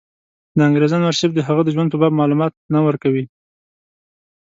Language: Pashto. د انګرېزانو ارشیف د هغه د ژوند په باب معلومات نه ورکوي.